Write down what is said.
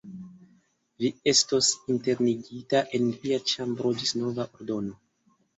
Vi estos internigita en via ĉambro ĝis nova ordono.